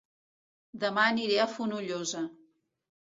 Dema aniré a Fonollosa